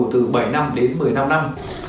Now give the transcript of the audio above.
từ bảy năm đến một mươi năm năm